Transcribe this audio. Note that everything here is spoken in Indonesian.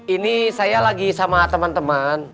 ini saya lagi sama temen temen